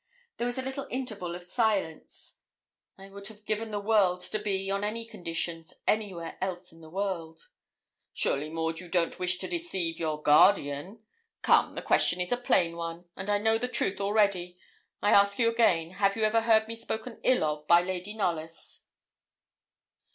There was a little interval of silence. I would have given the world to be, on any conditions, anywhere else in the world. 'Surely, Maud, you don't wish to deceive your guardian? Come, the question is a plain one, and I know the truth already. I ask you again have you ever heard me spoken ill of by Lady Knollys?'